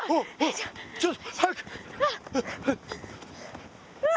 ちょっと早く！